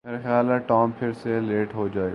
میرا خیال ہے ٹام پھر سے لیٹ ہو جائے گا